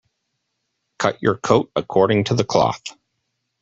Cut your coat according to the cloth.